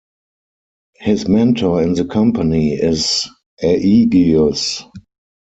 His mentor in the Company is Aegeus.